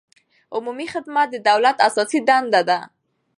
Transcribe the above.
عمومي خدمت د دولت اساسي دنده ده.